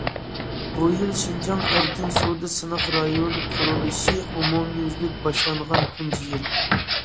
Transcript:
بۇ يىل، شىنجاڭ ئەركىن سودا سىناق رايونى قۇرۇلۇشى ئومۇميۈزلۈك باشلانغان تۇنجى يىل.